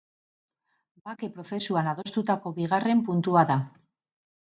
Bake prozesuan adostutako bigarren puntua da.